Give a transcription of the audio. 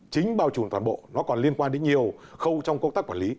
chính bao trùn toàn bộ nó còn liên quan đến nhiều khâu trong công tác quản lý